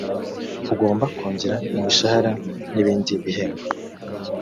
ugomba kongera imishahara n ibindi bihembo